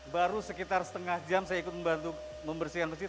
baru sekitar setengah jam saya ikut membantu membersihkan masjid